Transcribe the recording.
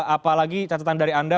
apalagi catatan dari anda